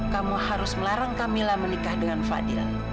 kamu harus melarang kamila menikah dengan fadil